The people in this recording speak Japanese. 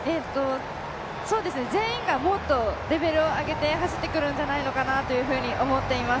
全員がもっとレベルを上げて走ってくるんじゃないかと思っています。